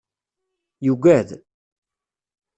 Yuggad.